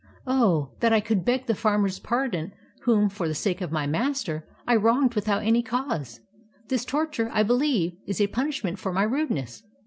Oh, that I could beg the farmer's pardon whom, for the sake of my master, I wronged without any cause ! This tor ture, I believe, is a punishment for my rudeness."